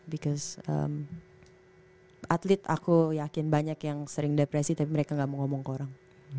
because atlet aku yakin banyak yang sering depresi tapi mereka gak mau ngomong ke orang